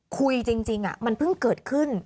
คุยจริงมันเพิ่งเกิดขึ้น